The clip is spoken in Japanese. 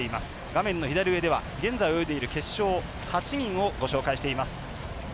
画面の左上では現在泳いでいる決勝ご紹介しています。